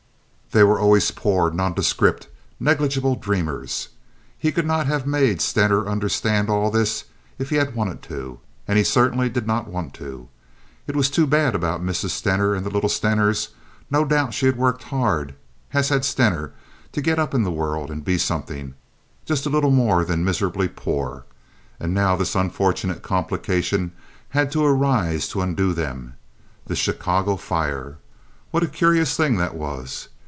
They were always poor, nondescript, negligible dreamers. He could not have made Stener understand all this if he had wanted to, and he certainly did not want to. It was too bad about Mrs. Stener and the little Steners. No doubt she had worked hard, as had Stener, to get up in the world and be something—just a little more than miserably poor; and now this unfortunate complication had to arise to undo them—this Chicago fire. What a curious thing that was!